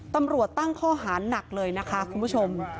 ตำรวจตั้งข้อหาหนักเลยนะคะคุณผู้ชม